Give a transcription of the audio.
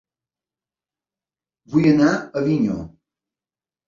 Vull anar a Avinyó